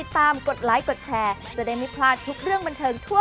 ตอนแรกสดว่าดีนะ